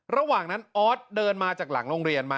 ระหว่างนั้นออสเดินมาจากหลังโรงเรียนมา